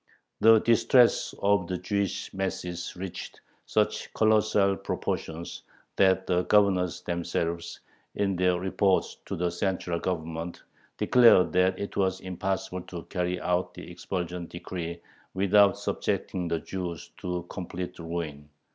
The distress of the Jewish masses reached such colossal proportions that the governors themselves, in their reports to the central Government, declared that it was impossible to carry out the expulsion decree without subjecting the Jews to complete ruin.